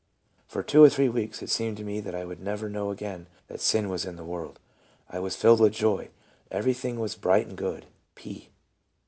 '' For two or three weeks it seemed to me that I would never know again that sin was in the world. I was filled with joy; everything was bright and good." — P.